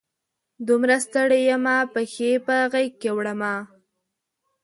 دومره ستړي یمه، پښې په غیږ کې وړمه